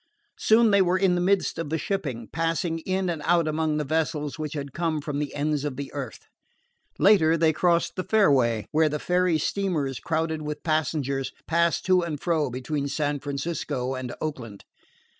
Soon they were in the midst of the shipping, passing in and out among the vessels which had come from the ends of the earth. Later they crossed the fairway, where the ferry steamers, crowded with passengers, passed to and fro between San Francisco and Oakland.